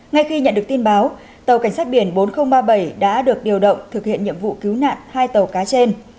ngay khi nhận được tin báo tàu cảnh sát biển bốn nghìn ba mươi bảy đã được điều động thực hiện nhiệm vụ cứu nạn hai tàu cá trên